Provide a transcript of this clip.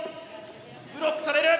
ブロックされる！